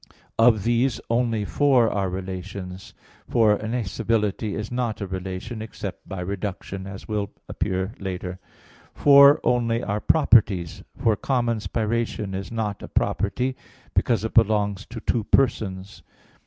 Of these only four are relations, for "innascibility" is not a relation, except by reduction, as will appear later (Q. 33, A. 4, ad 3). Four only are properties. For "common spiration" is not a property; because it belongs to two persons.